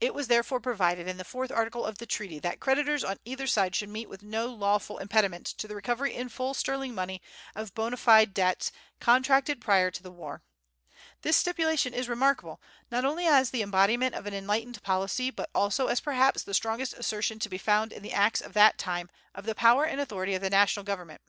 It was therefore provided, in the fourth article of the treaty, that creditors on either side should meet with no lawful impediment to the recovery in full sterling money of bona fide debts contracted prior to the war. This stipulation is remarkable, not only as the embodiment of an enlightened policy, but also as perhaps the strongest assertion to be found in the acts of that time of the power and authority of the national government.